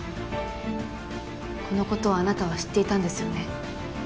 このことをあなたは知っていたんですよね？